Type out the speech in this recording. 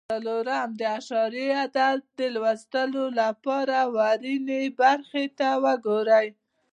څلورم: د اعشاري عدد د لوستلو لپاره ورنیي برخو ته وګورئ.